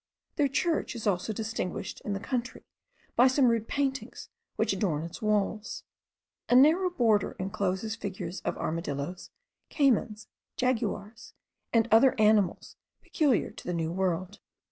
Their church is also distinguished in the country by some rude paintings which adorn its walls. A narrow border encloses figures of armadilloes, caymans, jaguars, and other animals peculiar to the new world.